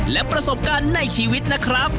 และประสบการณ์ในชีวิตนะครับ